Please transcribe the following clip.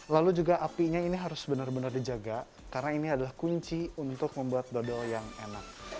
lalu juga apinya ini harus benar benar dijaga karena ini adalah kunci untuk membuat dodol yang enak